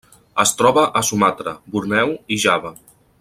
Es troba a Sumatra, Borneo i Java.